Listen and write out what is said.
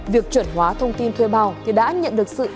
việc chuẩn hóa thông tin thuê bao thì đã nhận được sự